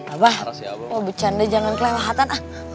abah mau becanda jangan kelelahatan